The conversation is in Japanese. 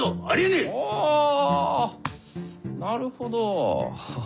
あなるほど。